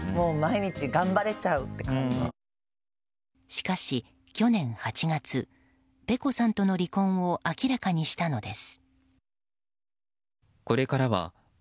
しかし、去年８月ｐｅｃｏさんとの離婚を明らかにしたのです。